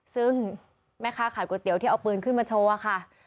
ซึ่งแม่ค้าขายก๋วยเตี๋ยวที่เอาปืนขึ้นมาโชว์ค่ะ